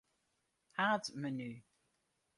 Haadmenu.